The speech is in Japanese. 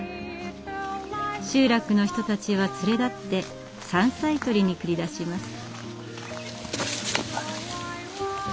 集落の人たちは連れ立って山菜採りに繰り出します。